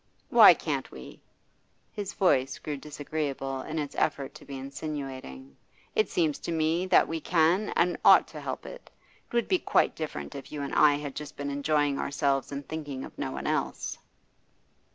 'Why can't we?' His voice grew disagreeable in its effort to be insinuating. 'It seems to me that we can and ought to help it. It would be quite different if you and I had just been enjoying ourselves and thinking of no one else.